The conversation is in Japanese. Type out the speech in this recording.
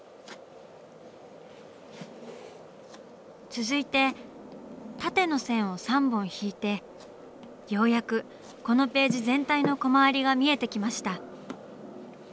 続いて縦の線を３本引いてようやくこのページ全体のコマ割りが見えてきました。